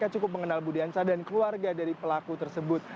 cukup mengenal budi hansa dan keluarga dari pelaku tersebut